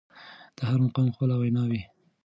د هر مقام خپله وينا وي.